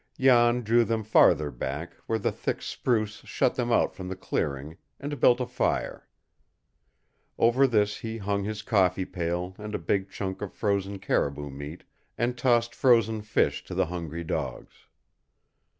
Jan drew them farther back, where the thick spruce shut them out from the clearing, and built a fire. Over this he hung his coffee pail and a big chunk of frozen caribou meat, and tossed frozen fish to the hungry dogs.